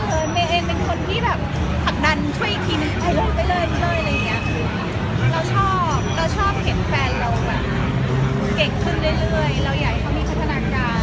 เราชอบเห็นแฟนเราแบบเก่งขึ้นได้เรื่อยเราอยากให้เขามีพัฒนาการ